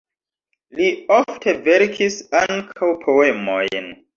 Li ofte verkis ankaŭ poemojn.